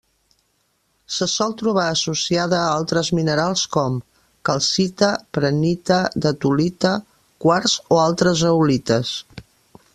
Se sol trobar associada a altres minerals com: calcita, prehnita, datolita, quars o altres zeolites.